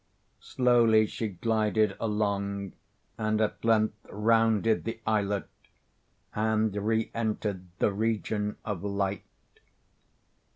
Slowly she glided along, and at length rounded the islet and re entered the region of light.